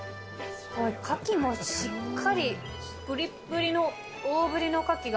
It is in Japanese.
カキもしっかりぷりっぷりの大ぶりのカキが。